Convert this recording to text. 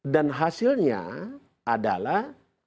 dan hasilnya adalah